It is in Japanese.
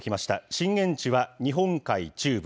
震源地は日本海中部。